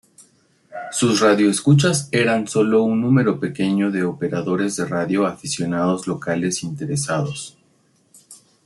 Sus radioescuchas eran sólo un pequeño número de operadores de radio aficionados locales interesados.